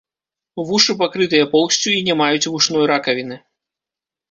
Вушы пакрытыя поўсцю і не маюць вушной ракавіны.